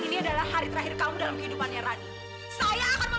ini adalah hari terakhir kamu dalam kehidupan yang rani saya akan